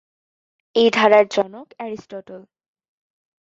এই ধারার জনক অ্যারিস্টটল।